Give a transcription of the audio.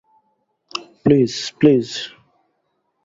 Please, please.